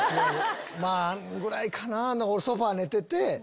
まぁあんぐらいかなぁソファ寝てて。